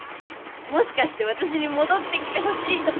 もしかして私に戻ってきてほしいとか？